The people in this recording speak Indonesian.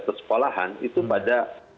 persekolahan itu pada